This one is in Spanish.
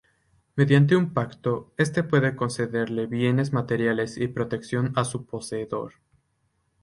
Mediante un pacto, este puede concederle bienes materiales y protección a su poseedor.